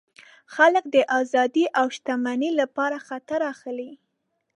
خلک د آزادۍ او شتمنۍ لپاره خطر اخلي.